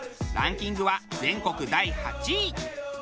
ランキングは全国第８位。